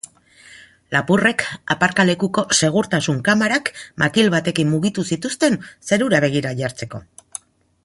Lapurrek aparkalekuko segurtasun kamerak makil batekin mugitu zituzten zerura begira jartzeko.